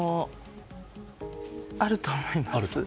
あると思います。